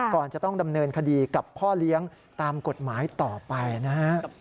ก่อนจะต้องดำเนินคดีกับพ่อเลี้ยงตามกฎหมายต่อไปนะฮะ